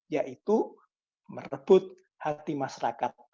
yaitu merebut hati masyarakat